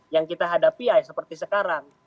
yang kita hadapi seperti sekarang